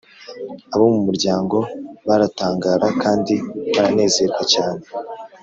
. Abo mu muryango baratangara, kandi baranezerwa cyane.